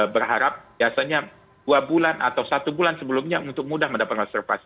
berharap biasanya dua bulan atau satu bulan sebelumnya untuk mudah mendapatkan observasi